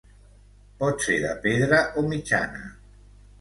Pot ser de pedra o mitjana.